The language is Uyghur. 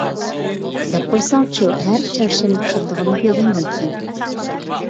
-دەپ قويساڭچۇ ھەر چارشەنبە كېلىدىغىنىنى بىلگەندىن كېيىن.